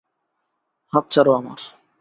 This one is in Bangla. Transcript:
হাত ছাড়ো আমার।